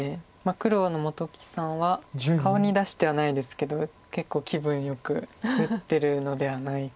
黒の本木さんは顔に出してはないですけど結構気分よく打ってるのではないかと。